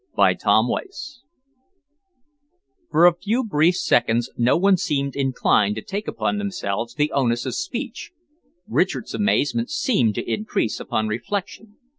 CHAPTER XXIX For a few brief seconds no one seemed inclined to take upon themselves the onus of speech. Richard's amazement seemed to increase upon reflection.